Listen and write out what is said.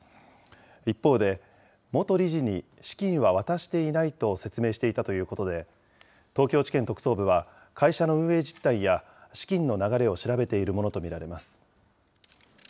一方で、元理事に資金は渡していないと説明していたということで、東京地検特捜部は会社の運営実態や資金の流れを調べているものと見られます。